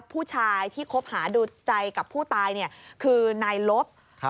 ผู้ชายที่คบหาดูใจกับผู้ตายคือนายลบ